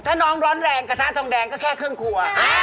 ถ้าน้องร้อนแรงกระทะทองแดงก็แค่ครึ่งครัว